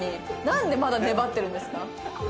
なんでまだ粘ってるんですか？